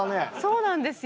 そうなんですよ。